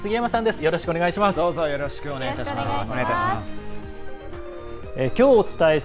よろしくお願いします。